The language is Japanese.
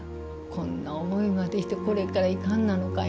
こんな思いまでしてこれからいかんなのか